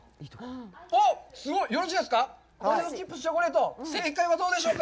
おっ、すごい！よろしいですか？